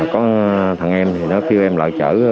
có thằng em thì nó kêu em lại chở